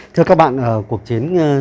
thưa các bạn cuộc chiến